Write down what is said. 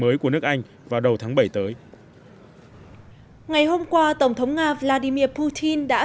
mới của nước anh vào đầu tháng bảy tới ngày hôm qua tổng thống nga vladimir putin đã